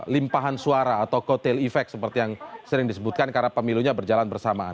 limpahan suara atau kotel efek seperti yang sering disebutkan karena pemilunya berjalan bersamaan